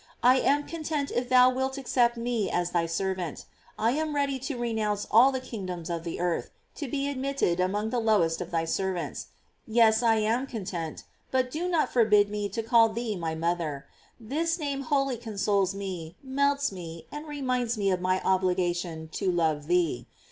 I am content if thou wilt accept me as thy ser vant. I am ready to renounce all the kingdoms of the earth, to be admitted among the lowest of thy servants. Yes, I am content, but do not 50 GLOEIBS OF MABY. forbid me to call thee my mother. This name wholly consoles me, melts me, and reminds me of my obligation to love thee.